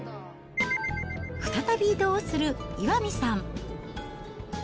再び移動する岩見さん。